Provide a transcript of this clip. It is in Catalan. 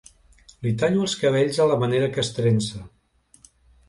Li tallo els cabells a la manera castrense.